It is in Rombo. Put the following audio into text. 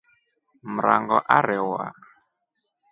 Mrango arewa.